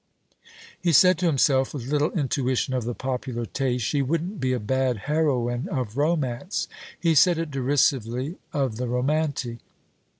He said to himself, with little intuition of the popular taste: She wouldn't be a bad heroine of Romance! He said it derisively of the Romantic.